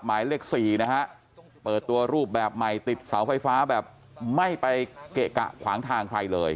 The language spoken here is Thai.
หมายเลขสี่นะฮะเปิดตัวรูปแบบใหม่ติดเสาไฟฟ้าแบบไม่ไปเกะกะขวางทางใครเลย